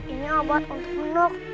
ini obat untuk menuk